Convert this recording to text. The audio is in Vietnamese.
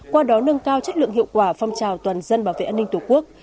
qua đó nâng cao chất lượng hiệu quả phong trào toàn dân bảo vệ an ninh tổ quốc